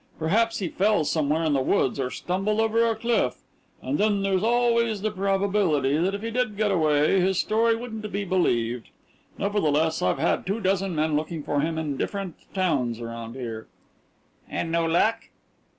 Perhaps he fell somewhere in the woods or stumbled over a cliff. And then there's always the probability that if he did get away his story wouldn't be believed. Nevertheless, I've had two dozen men looking for him in different towns around here." "And no luck?"